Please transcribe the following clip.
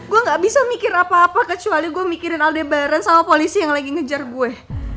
gue gak bisa mikir apa apa kecuali gue mikirin alde bareng sama polisi yang lagi ngejar gue